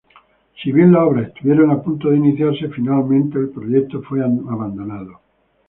Si bien las obras estuvieron a punto de iniciarse, finalmente el proyecto fue abandonado.